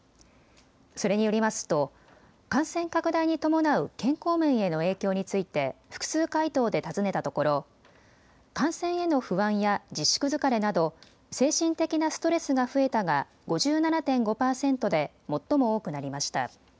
それによりますと感染拡大に伴う健康面への影響について複数回答で尋ねたところ感染への不安や自粛疲れなど精神的なストレスが増えたが５７．５％で最も多くなりました。